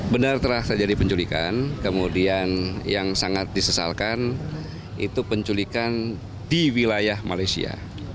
benar telah terjadi penculikan kemudian yang sangat disesalkan itu penculikan di wilayah malaysia